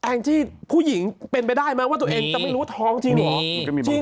งจี้ผู้หญิงเป็นไปได้ไหมว่าตัวเองจะไม่รู้ว่าท้องจริงเหรอ